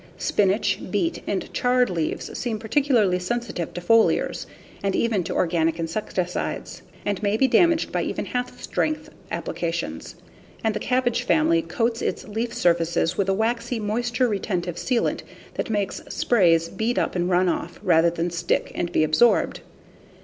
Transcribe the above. Spinach, beet, and chard leaves seem particularly sensitive to foliars (and even to organic insecticides) and may be damaged by even half strength applications. And the cabbage family coats its leaf surfaces with a waxy, moisture retentive sealant that makes sprays bead up and run off rather than stick and be absorbed.